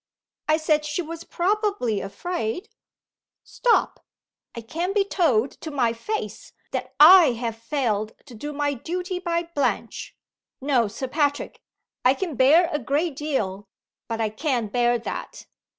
"I said she was probably afraid " "Stop! I can't be told to my face that I have failed to do my duty by Blanche. No, Sir Patrick! I can bear a great deal; but I can't bear that.